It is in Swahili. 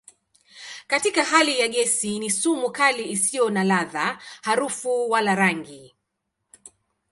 Katika hali ya gesi ni sumu kali isiyo na ladha, harufu wala rangi.